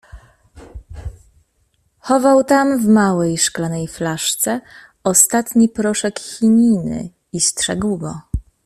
Chował tam w małej szklanej flaszce ostatni proszek chininy i strzegł go.